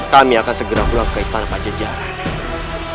kami akan segera pulang ke istana pajajaran